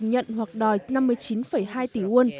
nhận hoặc đòi năm mươi chín hai tỷ won